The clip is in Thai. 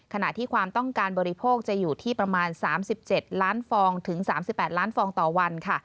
ขณะที่ความต้องการบริโภคจะอยู่ที่ประมาณ๓๗ล้านฟองถึง๓๘ล้านฟองต่อวันค่ะ